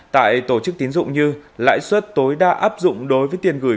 tại tổ chức tín dụng như lãi suất tối đa áp dụng đối với tiền gửi